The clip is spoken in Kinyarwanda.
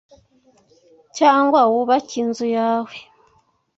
Cyangwa wubake inzu yawe